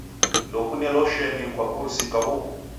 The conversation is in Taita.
Ndokune losheni kwakurusika huw'u?